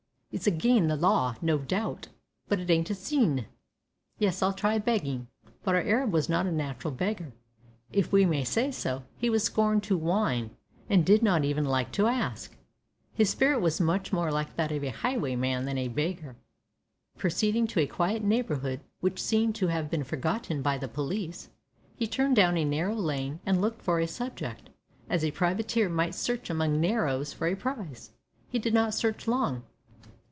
It's agin the law, no doubt, but it ain't a sin. Yes, I'll try beggin'." But our Arab was not a natural beggar, if we may say so. He scorned to whine, and did not even like to ask. His spirit was much more like that of a highwayman than a beggar. Proceeding to a quiet neighbourhood which seemed to have been forgotten by the police, he turned down a narrow lane and looked out for a subject, as a privateer might search among "narrows" for a prize. He did not search long.